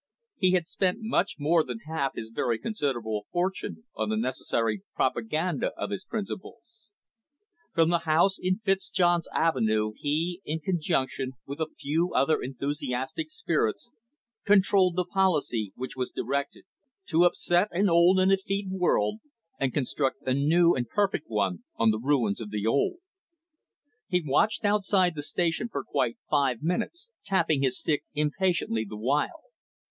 He had spent much more than half his very considerable fortune on the necessary propaganda of his principles. From the house in Fitzjohn's Avenue he, in conjunction with a few other enthusiastic spirits, controlled the policy which was directed to upset an old and effete world and construct a new and perfect one on the ruins of the old. He waited outside the station for quite five minutes, tapping his stick impatiently the while.